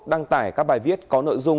đăng tải các bài viết có nội dung